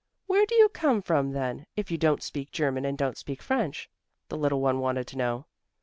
"Where do you come from then, if you don't speak German and don't speak French?" the little one wanted to know.